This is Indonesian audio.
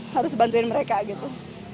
harus bantuin mereka gitu